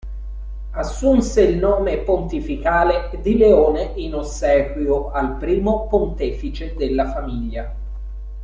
Assunse il nome pontificale di Leone in ossequio al primo pontefice della famiglia.